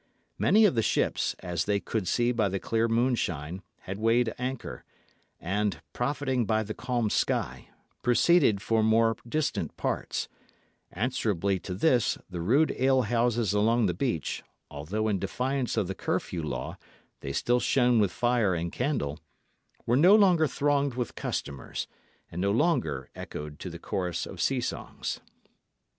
Many of the ships, as they could see by the clear moonshine, had weighed anchor, and, profiting by the calm sky, proceeded for more distant parts; answerably to this, the rude alehouses along the beach (although in defiance of the curfew law, they still shone with fire and candle) were no longer thronged with customers, and no longer echoed to the chorus of sea songs.